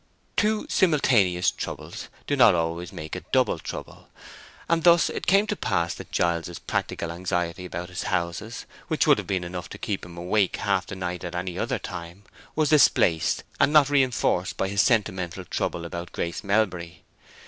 Two simultaneous troubles do not always make a double trouble; and thus it came to pass that Giles's practical anxiety about his houses, which would have been enough to keep him awake half the night at any other time, was displaced and not reinforced by his sentimental trouble about Grace Melbury.